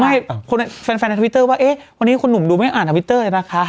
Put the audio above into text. แฟนในทวิตเตอร์ว่าเอ๊ะวันนี้คุณหนุ่มดูไม่อ่านทวิตเตอร์เลยนะคะ